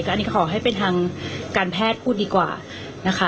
อันนี้ขอให้เป็นทางการแพทย์พูดดีกว่านะคะ